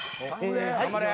頑張れ。